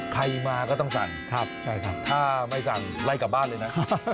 ใครมาก็ต้องสั่งใช่ครับถ้าไม่สั่งไล่กลับบ้านเลยนะ